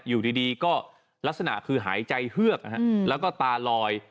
อยู่ดีก็ลักษณะคือหายใจเฮือกแล้วก็ตาลอย